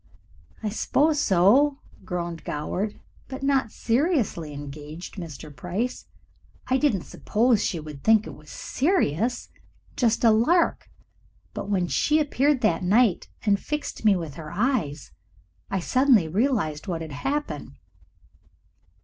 "I suppose so," groaned Goward. "But not seriously engaged, Mr. Price. I didn't suppose she would think it was serious just a lark but when she appeared that night and fixed me with her eye I suddenly realized what had happened."